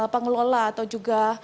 pengelola atau juga